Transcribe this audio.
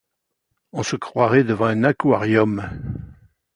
On se croirait devant un aquarium !